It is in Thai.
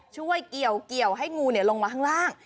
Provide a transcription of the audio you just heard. ช่วยเกี่ยวให้งูลงมาข้างล่าง